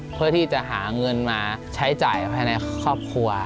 เพื่อที่จะหาเงินมาใช้จ่ายภายในครอบครัว